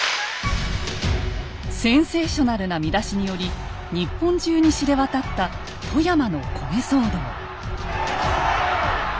センセーショナルな見出しにより日本中に知れ渡った富山の米騒動。